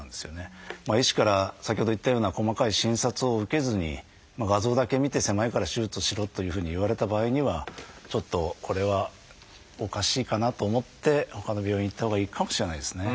医師から先ほど言ったような細かい診察を受けずに画像だけ見て狭いから手術をしろというふうに言われた場合にはちょっとこれはおかしいかなと思ってほかの病院へ行ったほうがいいかもしれないですね。